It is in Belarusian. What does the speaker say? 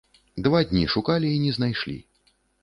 Два дні шукалі і не знайшлі.